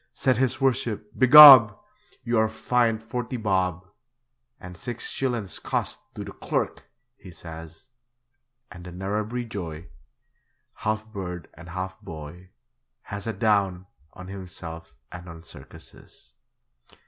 Said his worship, 'Begob! You are fined forty bob, And six shillin's costs to the clurk!' he says. And the Narrabri joy, Half bird and half boy, Has a 'down' on himself and on circuses.